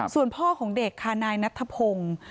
ส่วนพ่อของเด็กค่ะนายนัทธพงศ์